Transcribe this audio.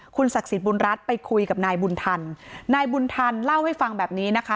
ศักดิ์สิทธิบุญรัฐไปคุยกับนายบุญทันนายบุญทันเล่าให้ฟังแบบนี้นะคะ